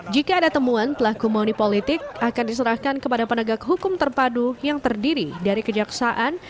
jika ada temuan pelaku monipolitik akan diserahkan kepada penegak hukum terpadu yang terdiri dari kejaksaan